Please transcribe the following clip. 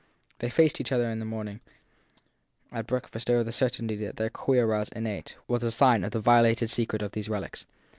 They faced each other in the morning at breakfast over the certainty that their queer roused inmate was the sign of the violated secret of these relics.